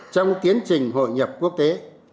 trong tiến trình hội nhập quốc tế